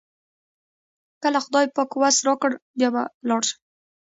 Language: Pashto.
کله خدای پاک وس راکړ بیا به لاړ شم.